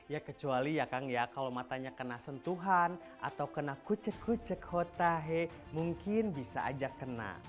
ya kecuali ya kang ya kalau matanya kena sentuhan atau kena kucek kucek hotahe mungkin bisa aja kena